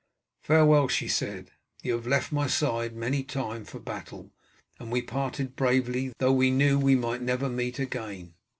"Farewell," she said. "You have left my side many a time for battle, and we parted bravely though we knew we might never meet again.